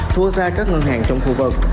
thua xa các ngân hàng trong khu vực